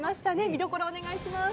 見どころをお願いします。